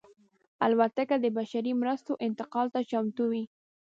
الوتکه د بشري مرستو انتقال ته چمتو وي.